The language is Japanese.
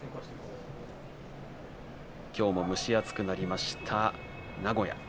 きょうも蒸し暑くなりました名古屋。